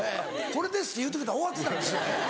これですって言うてくれたら終わってたんですよ。